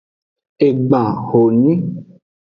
Egban honyi.